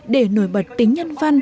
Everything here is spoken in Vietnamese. để nổi bật tính nhân vật